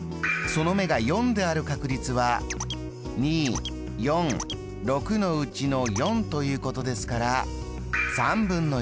その目が４である確率は２４６のうちの４ということですから。